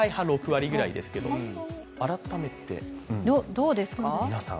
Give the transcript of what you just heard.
どうですか？